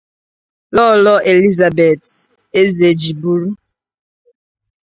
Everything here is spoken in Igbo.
Lọọlọ Elizabeth Ezejiburu